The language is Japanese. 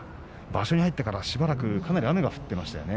場所に入ってからしばらく雨が降っていましてね。